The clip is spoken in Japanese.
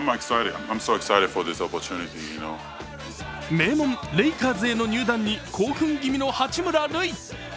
名門・レイカーズへの入団に興奮ぎみの八村塁。